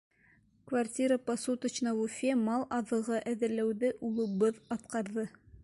Квартиры посуточно в Уфе Мал аҙығы әҙерләүҙе улыбыҙ атҡарҙы.